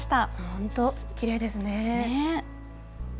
本当、きれいですねぇ。